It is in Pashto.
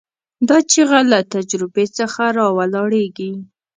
دا چیغه له تجربې څخه راولاړېږي.